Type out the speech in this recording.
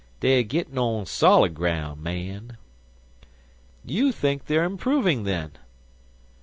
Dey er gittin' on solid groun', mon." "You think they are improving, then?"